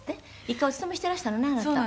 「一回お勤めしていらしたのねあなた」